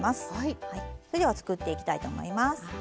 それでは作っていきたいと思います。